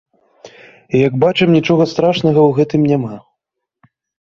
І, як бачым, нічога страшнага ў гэтым няма.